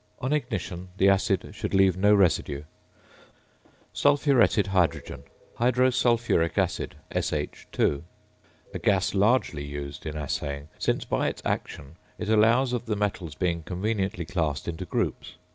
On ignition the acid should leave no residue. [Illustration: FIG. 32.] ~Sulphuretted Hydrogen.~ Hydrosulphuric acid, SH_. A gas largely used in assaying, since by its action it allows of the metals being conveniently classed into groups.